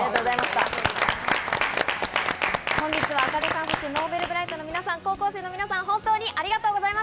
本日はａｋａｎｅさんそしてＮｏｖｅｌｂｒｉｇｈｔの皆さん高校生の皆さん本当にありがとうございました。